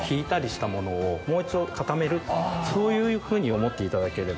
そういうふうに思っていただければ。